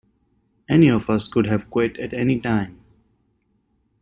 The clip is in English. Any of us could have quit at any time.